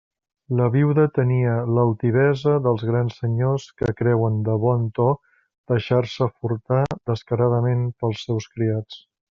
La viuda tenia l'altivesa dels grans senyors que creuen de bon to deixar-se furtar descaradament pels seus criats.